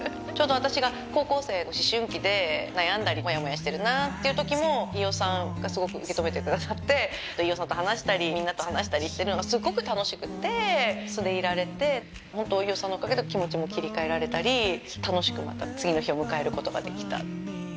ちょうど私が高校生の思春期で悩んだりモヤモヤしてるなっていう時も飯尾さんがすごく受け止めてくださって飯尾さんと話したりみんなと話したりしてるのがすごく楽しくて素でいられてホント飯尾さんのおかげで気持ちも切り替えられたり楽しくまた次の日を迎えることができた。